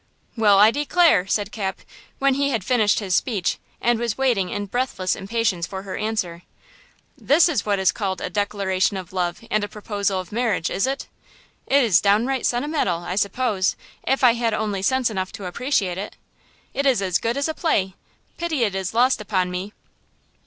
"Well, I declare!" said Cap, when he had finished his speech and was waiting in breathless impatience for her answer; "this is what is called a declaration of love and a proposal of marriage, is it? It is downright sentimental, I suppose, if I had only sense enough to appreciate it! It is as god as a play; pity it is lost upon me!"